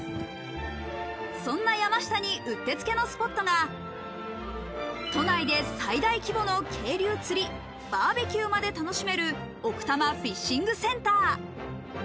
そんな山下にうってつけのスポットが、都内で最大規模の渓流釣りバーベキューまで楽しめる、奥多摩フィッシングセンター。